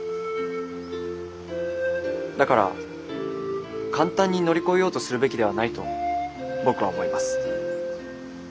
だから簡単に乗り越えようとするべきではないと僕は思います。